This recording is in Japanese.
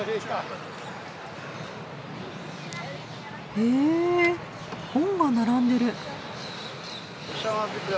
へえ本が並んでる。